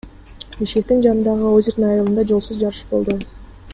Бишкектин жанындагы Озерное айылында жолсуз жарыш болду.